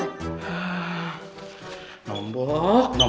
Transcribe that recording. terserah gimana caranya ya